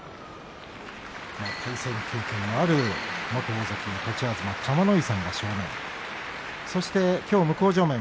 対戦経験のある元大関栃東、玉ノ井さんが正面。